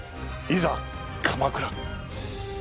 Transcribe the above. いざ、鎌倉！